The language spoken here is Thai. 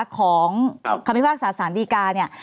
ของคำภิพศาสตร์สารดีการ์เนี่ย